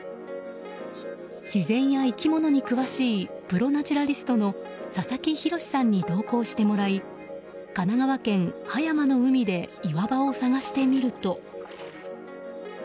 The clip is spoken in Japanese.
自然や生き物に詳しいプロ・ナチュラリストの佐々木洋さんに同行してもらい神奈川県葉山の海で岩場を探してみると。